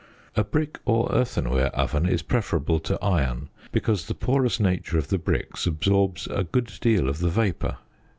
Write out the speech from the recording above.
A brick or earthenware oven is preferable to iron, because the porous nature of the bricks absorbs a good deal of the vapour.